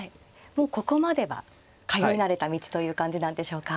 もうここまでは通い慣れた道という感じなんでしょうか。